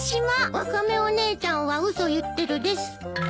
ワカメお姉ちゃんは嘘言ってるです。